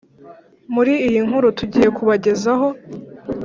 muri iyi nkuru tugiye kubagezaho